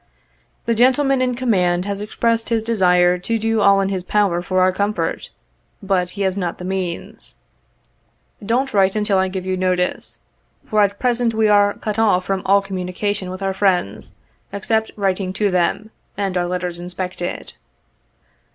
The gentleman in command has expressed his desire to do all in his power for our comfort, but he has not the means. Don't write until I give you notice, for at present we are cut off from all communication with our friends, except writing to them, and our letters inspected.